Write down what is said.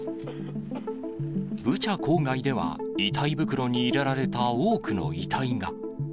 ブチャ郊外では、遺体袋に入れられた多くの遺体が。